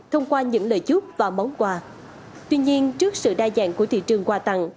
tuy nhiên trước sự đa dạng của thị trường quà tặng